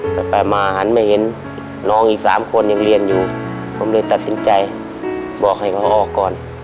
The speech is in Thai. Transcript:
ไปมาหันมาเห็นน้องอีกสามคนยังเรียนอยู่ผมเลยตัดสินใจบอกให้เขาออกก่อน